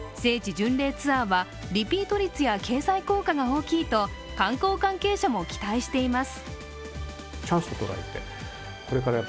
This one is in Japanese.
巡礼ツアーは、リピート率や経済効果が大きいと観光関係者も期待しています。